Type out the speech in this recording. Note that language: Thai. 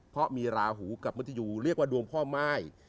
เพราะมีราหูกับมนุษยูเรียกว่าดวงพ่อม่าย